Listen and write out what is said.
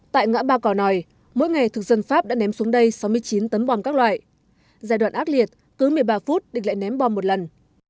tại ngã ba cỏ nòi mỗi ngày thực dân pháp đã ném xuống đây sáu mươi chín tấn bom các loại giai đoạn ác liệt cứ một mươi ba phút địch lại ném bom một lần